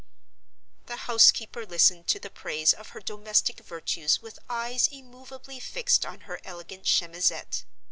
The housekeeper listened to the praise of her domestic virtues with eyes immovably fixed on her elegant chemisette.